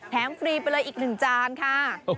ฟรีไปเลยอีก๑จานค่ะ